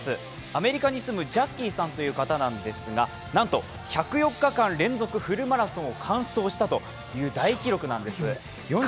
アメリカに住むジャッキーさんという方なんですがなんと１０４日間連続フルマラソンを完走したという大記録なんです。４２．１９５